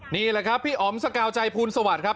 นี่แหละครับพี่อ๋อมสกาวใจภูลสวัสดิ์ครับ